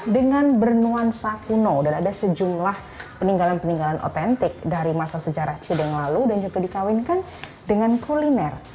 dengan bernuansa kuno dan ada sejumlah peninggalan peninggalan otentik dari masa sejarah cideng lalu dan juga dikawinkan dengan kuliner